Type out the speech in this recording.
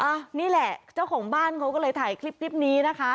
นี่แหละเจ้าของบ้านเขาก็เลยถ่ายคลิปนี้นะคะ